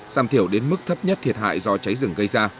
giảm thiểu đến mức thấp nhất thiệt hại do cháy rừng gây ra